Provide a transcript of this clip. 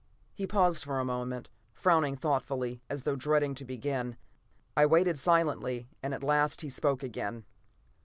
He paused for a moment, frowning thoughtfully as though dreading to begin. I waited silently, and at last he spoke again.